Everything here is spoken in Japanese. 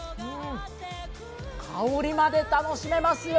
香りまで楽しめますよ。